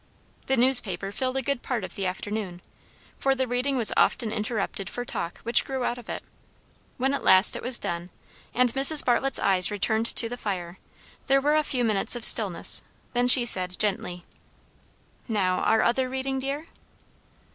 The newspaper filled a good part of the afternoon; for the reading was often interrupted for talk which grew out of it. When at last it was done, and Mrs. Bartlett's eyes returned to the fire, there were a few minutes of stillness; then she said gently, "Now, our other reading, dear?"